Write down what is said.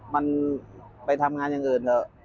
มันไปทำงานอย่างอื่นเถอะ